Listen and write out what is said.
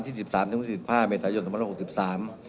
ที่๑๓๔๕เมตรยนต์สม๖๓